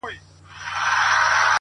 يوې ملالي پسې بله مړه ده” بله مړه ده”